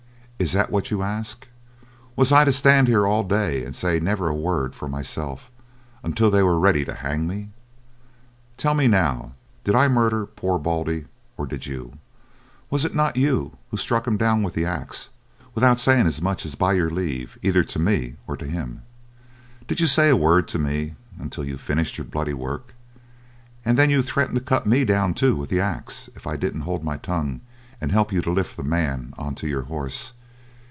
Is that what you ask? Was I to stand here all day and say never a word for myself until they were ready to hang me? Tell me now, did I murder poor Baldy or did you? Was it not you who struck him down with the axe without saying as much as 'by your leave,' either to me or to him? Did you say a word to me until you finished your bloody work? And then you threatened to cut me down, too, with the axe, if I didn't hold my tongue, and help you to lift the man on to your horse.